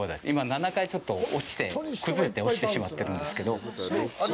今、７階はちょっと崩れて落ちてしまってるんですけど。